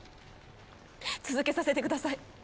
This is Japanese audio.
続けさせてください。